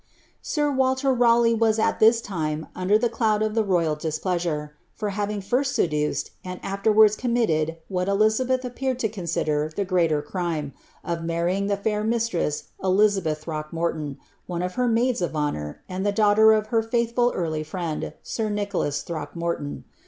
'' Sir' Waller Raleigh was at ibis time nndi r the cloud of the royal pleasure, for having first seduced, and afierwards committed whal I beih appeared to consider the greater crime, of marrvins ilic fair mii Elizabelh Throckmorton, one of her maids ofhonour. and the dau of iter faithful early friend, sir Nicholas Throckmorton.